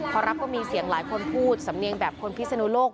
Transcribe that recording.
พอรับก็มีเสียงหลายคนพูดสำเนียงแบบคนพิศนุโลก